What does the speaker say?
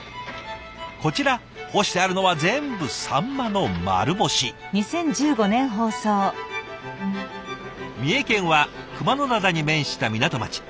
こちら干してあるのは全部三重県は熊野灘に面した港町。